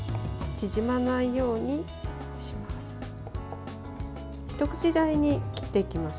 縮まないようにします。